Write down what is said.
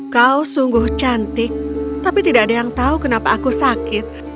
kau sungguh cantik tapi tidak ada yang tahu kenapa aku sakit